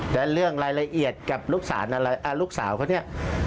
และเรื่องรายละเอียดกับลูกสาวเขาเนี่ย